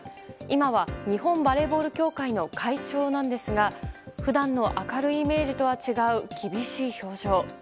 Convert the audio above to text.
今は、日本バレーボール協会の会長なんですが普段の明るいイメージとは違う厳しい表情。